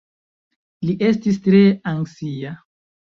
Li estis tre anksia.